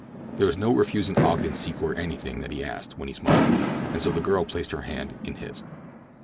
There was no refusing Ogden Secor anything that he asked when he smiled, and so the girl placed her hand in his.